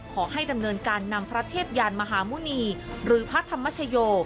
ขอให้ดำเนินการนำพระเทพยานมหาหมุณีหรือพระธรรมชโย